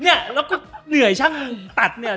เนี่ยแล้วก็เหนื่อยช่างตัดเนี่ย